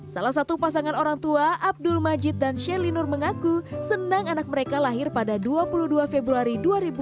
salah satu pasangan orang tua abdul majid dan shelinur mengaku senang anak mereka lahir pada dua puluh dua februari dua ribu dua puluh